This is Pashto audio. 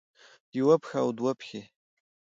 يوه پښه او دوه پښې